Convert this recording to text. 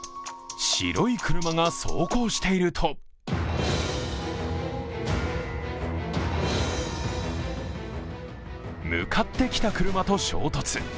白い車が走行していると向かってきた車と衝突。